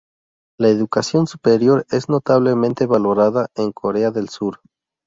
La educación superior es notablemente valorada en Corea del Sur.